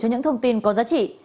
cho những thông tin có giá trị